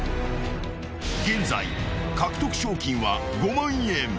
［現在獲得賞金は５万円］